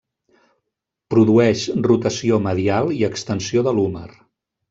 Produeix rotació medial i extensió de l'húmer.